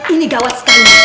ini gawat sekali